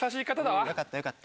よかったよかった。